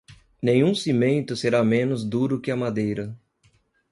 Nenhum cimento será menos duro que a madeira.